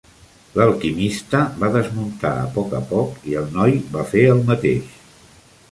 L'alquimista va desmuntar a poc a poc i el noi va fer el mateix.